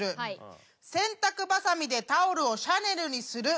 洗濯ばさみでタオルをシャネルにする。